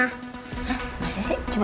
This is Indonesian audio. hah masa sih coba nge shoot dulu